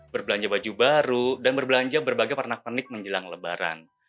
berbelanja baju baru dan berbelanja berbagai pernak pernik menjelang lebaran